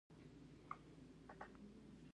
راکټ د دقیق هدف وړلو وسیله ده